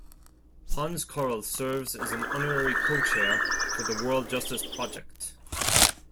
Hans Corell serves as an Honorary Co-Chair for the World Justice Project.